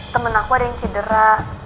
temen aku ada yang cedera